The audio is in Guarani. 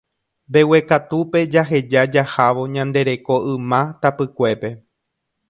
mbeguekatúpe jaheja jahávo ñande reko yma tapykuépe